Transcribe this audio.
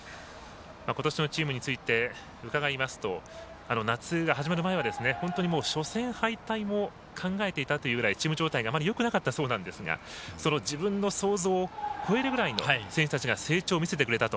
ことしのチームについて伺いますと夏始まる前は、初戦敗退も考えていたというぐらいチーム状態がよくなかったそうですがその自分の想像を超えるぐらいの選手たちが成長を見せてくれたと。